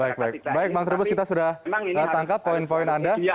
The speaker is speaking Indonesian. baik baik bang trubus kita sudah tangkap poin poin anda